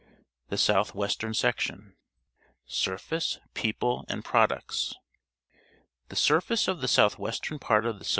THE SOUTH WESTERN SECTION Surface, People, and Products. — The sur face of the south western part of the Soviet |;j#t